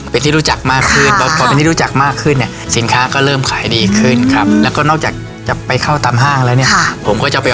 เป็นน้ำพริกนรกปลาร้าและนรกสมุนไผ่